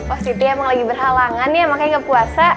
oh siti emang lagi berhalangan ya makanya nggak puasa